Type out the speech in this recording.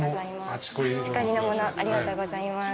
ありがとうございます。